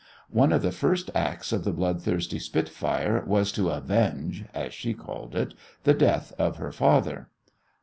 One of the first acts of the bloodthirsty spitfire was to "avenge," as she called it, the death of her father.